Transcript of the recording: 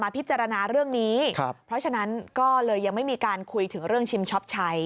เพราะฉะนั้นก็เลยยังไม่มีการคุยถึงเรื่องชิมช็อปชัย